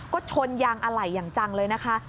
ก็ชนยางอะไหล่อย่างจังเลยนะคะ